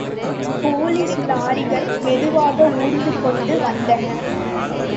Police லாரிகள் மெதுவாக ஊர்ந்து கொண்டு வந்தன.